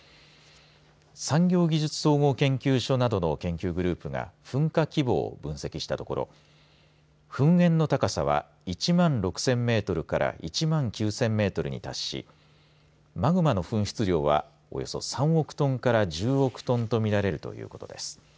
産業技術総合研究所などの研究グループが噴火規模を分析したところ噴煙の高さは１万６０００メートルから１万９０００メートルに達しマグマの噴出量はおよそ３億トンから１０億トンと見られるということです。